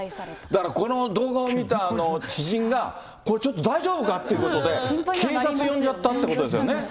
だからこの動画を見た知人が、これ、ちょっと大丈夫かっていうことで、警察呼んじゃったってことですよ